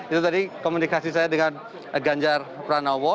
itu tadi komunikasi saya dengan ganjar pranowo